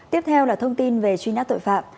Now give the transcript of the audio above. tiếp theo là thông tin về truy nã tội phạm